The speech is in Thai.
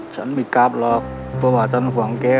ฉันไม่กลับหรอกเพราะว่าฉันห่วงแก